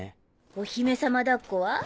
お姫様抱っこは？